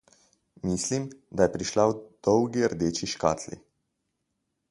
Mislim, da je prišla v dolgi rdeči škatli.